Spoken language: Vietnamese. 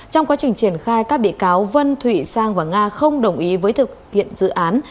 trong quá trình triển khai các bị cáo vân thụy sang và nga không đồng ý với thực hiện dự án